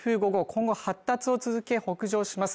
今後発達を続け北上します